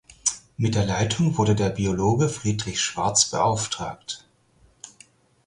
Mit der Leitung wurde der Biologe Friedrich Schwarz beauftragt.